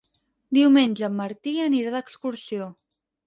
Diumenge en Martí anirà d'excursió.